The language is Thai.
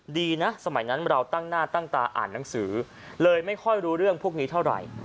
ดีนะสมัยนั้นเราตั้งหน้าตั้งตาอ่านหนังสือเลยไม่ค่อยรู้เรื่องพวกนี้เท่าไหร่